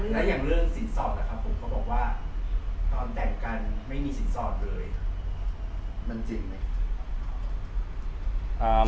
และอย่างเรื่องสินสอดนะครับผมก็บอกว่าตอนแต่งกันไม่มีสินสอดเลยมันจริงไหม